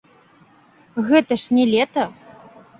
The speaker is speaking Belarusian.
Гэта ж не лета!